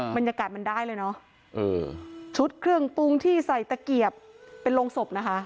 บรรยากาศมันได้เลยเนอะชุดเครื่องปรุงที่ใส่ตะเกียบเป็นโรงศพนะคะ